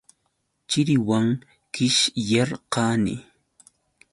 Chiriwan qishyarqani.